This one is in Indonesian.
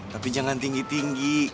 tapi jangan tinggi tinggi